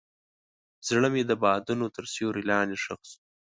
زړه مې د بادونو تر سیوري لاندې ښخ شو.